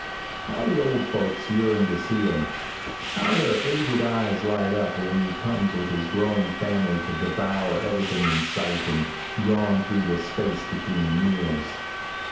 How the old folks yearn to see him. How their aged eyes light up when he comes with his growing family to devour everything in sight and yawn through the space between meals.